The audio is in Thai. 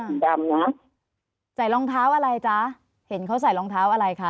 สีดำนะใส่รองเท้าอะไรจ๊ะเห็นเขาใส่รองเท้าอะไรคะ